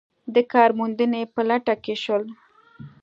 د کار موندنې په لټه کې شول.